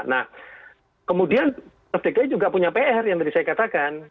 nah kemudian dki juga punya pr yang tadi saya katakan